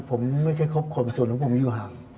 ผมไม่เคยครบคนส่วนลักษณ์ผมอยู่ห่าง